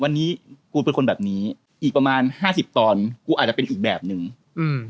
วันนี้กูเป็นคนแบบนี้อีกประมาณห้าสิบตอนกูอาจจะเป็นอีกแบบหนึ่งอืม